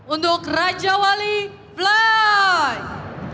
untuk raja wali flight